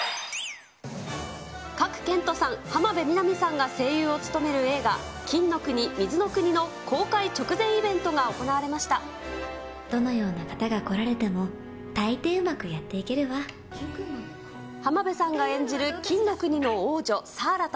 賀来賢人さん、浜辺美波さんが声優を務める映画、金の国水の国の、公開直前イベントが行わどのような方がこられても、浜辺さんが演じる金の国の王女、サーラと。